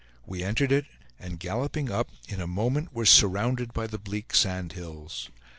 We entered it, and galloping up, in a moment were surrounded by the bleak sand hills.